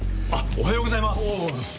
おはようございます。